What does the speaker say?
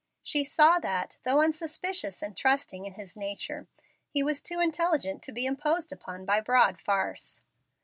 She saw that, though unsuspicious and trusting in his nature, he was too intelligent to be imposed upon by broad farce.